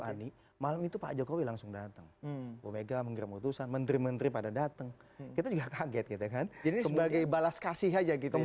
kita lihat di bu ani malam itu pak jokowi langsung datang bu mega mengirim urusan menteri menteri pada datang kita juga kaget gitu kan jadi sebagai balas kasih aja gitu ya pak